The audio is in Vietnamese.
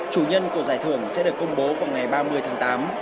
chủ nhân của giải thưởng sẽ được công bố vào ngày ba mươi tháng tám